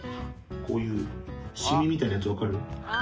こういうシミみたいなやつ分かる？